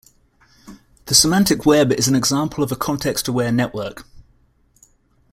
The Semantic Web is an example of a context-aware network.